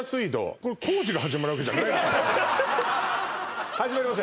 これ工事が始まるわけじゃないですよね？